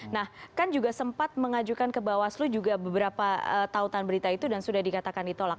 nah kan juga sempat mengajukan ke bawaslu juga beberapa tautan berita itu dan sudah dikatakan ditolak